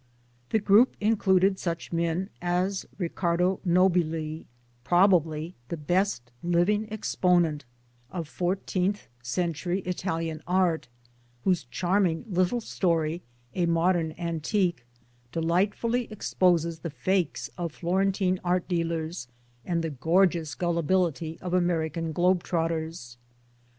The group included such men as Riccardo Nob ili, probably the best living exponent of Four 18 274 MY DAYS AND DREAMS teenth Century Italian art, whose charrning little story, r A Modern Antique delightfully exposes the fakes of Florentine art dealers and the gorgeous gullibility of American globe trotters?